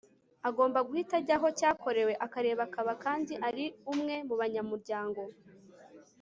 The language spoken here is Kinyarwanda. agomba guhita ajya aho cyakorewe akareba akaba kandi ari umwe mu banyamuryango